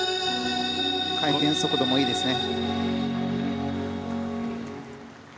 回転速度もいいですね。